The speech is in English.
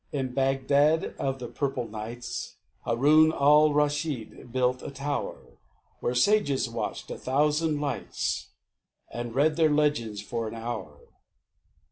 In Bagdad of the purple nights, Haroun Al Raschid built a tower, Where sages watched a thousand lights And read their legends, for an hour.